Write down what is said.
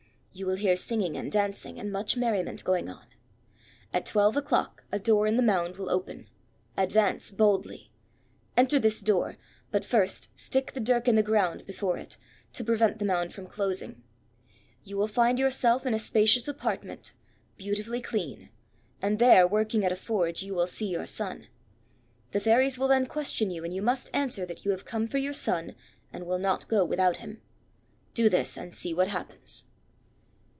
You will hear singing and dancing and much merriment going on. At twelve o'clock a door in the Mound will open. Advance boldly. Enter this door, but first stick the dirk in the ground before it, to prevent the Mound from closing. You will find yourself in a spacious apartment, beautifully clean; and there working at a forge, you will see your son. The Fairies will then question you, and you must answer that you have come for your son, and will not go without him. Do this, and see what happens!"